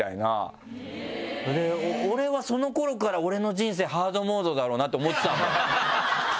俺はその頃から俺の人生ハードモードだろうなと思ってた。